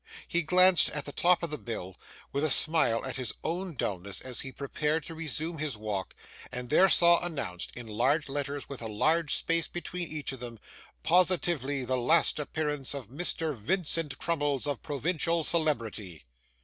He glanced at the top of the bill, with a smile at his own dulness, as he prepared to resume his walk, and there saw announced, in large letters with a large space between each of them, 'Positively the last appearance of Mr. Vincent Crummles of Provincial Celebrity!!!